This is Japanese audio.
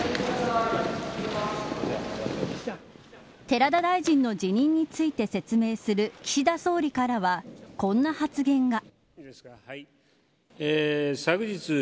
寺田大臣の辞任について説明する岸田総理からは、こんな発言が。